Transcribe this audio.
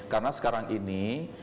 karena sekarang ini